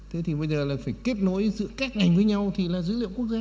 thế thì bây giờ là phải kết nối giữa các ngành với nhau thì là dữ liệu quốc gia